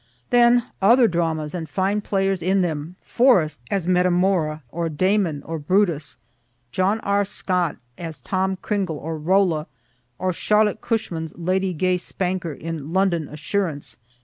Then other dramas, and fine players in them, Forrest as Metamora or Damon or Brutus John R. Scott as Tom Cringle or Rolla or Charlotte Cushman's Lady Gay Spanker in "London Assurance."